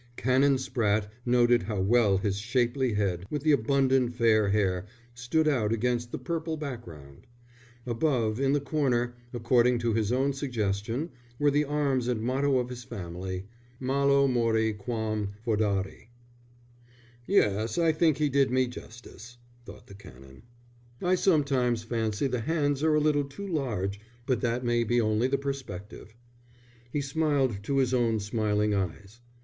Canon Spratte noted how well his shapely head, with the abundant fair hair, stood out against the purple background. Above, in the corner, according to his own suggestion, were the arms and the motto of his family: Malo mori quam fœdari. "Yes, I think he did me justice," thought the Canon. "I sometimes fancy the hands are a little too large, but that may be only the perspective." He smiled to his own smiling eyes.